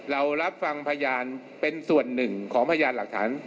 รับฟังพยานเป็นส่วนหนึ่งของพยานหลักฐาน